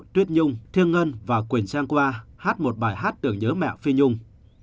tuyết nhung thiên ngân và quỳnh trang qua hát một bài hát tưởng nhớ mẹ phi nhung